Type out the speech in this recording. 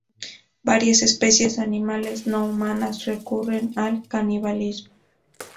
Varias especies animales no humanas recurren al canibalismo.